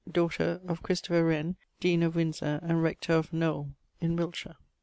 daughter of Wren, deane of Windsore and rector of Knowyll in Wiltshire.